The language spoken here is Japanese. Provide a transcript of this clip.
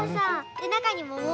でなかにももう。